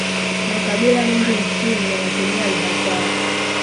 makabila mengi nchini yanatumia lugha zao